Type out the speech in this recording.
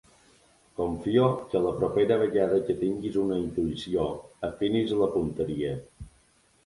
Confio que la propera vegada que tinguis una intuïció afinis la punteria.